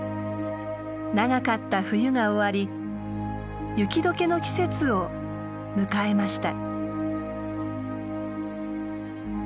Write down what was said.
長かった冬が終わり雪解けの季節を迎えました。